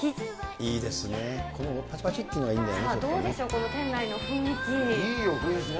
いいですね、このぱちぱちっていうのがいいんだよね、ちょっとね。